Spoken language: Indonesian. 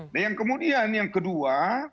nah yang kemudian yang kedua